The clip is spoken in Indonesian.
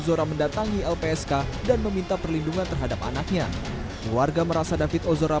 zora mendatangi lpsk dan meminta perlindungan terhadap anaknya keluarga merasa david ozora